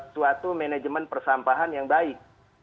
suatu manajemen persampahan yang baik